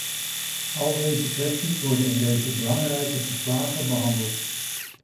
Al deze kwesties worden in deze belangrijke verslagen behandeld.